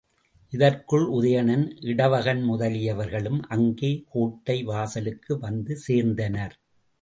இதற்குள் உதயணன், இடவகன் முதலியவர்களும் அங்கே கோட்டை வாசலுக்கு வந்து சேர்ந்தனர்.